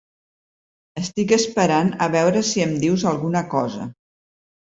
Estic esperant a veure si em dius alguna cosa.